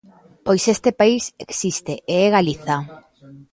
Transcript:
Pois ese país existe e é Galiza.